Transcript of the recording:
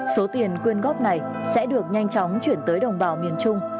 số tiền quyên góp này sẽ được nhanh chóng chuyển tới đồng bào miền trung